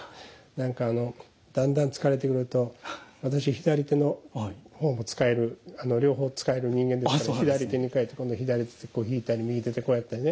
何かあのだんだん疲れてくると私左手の方も使える両方使える人間ですから左手に替えて今度は左手でひいたり右手でこうやったりね。